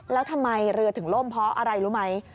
แล้วทำไมเรือถึงล่มเพราะอะไรรู้ไหม